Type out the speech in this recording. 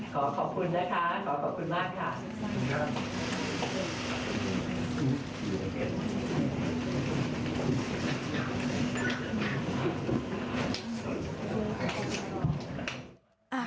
ขอขอบคุณนะคะขอขอบคุณมากค่ะ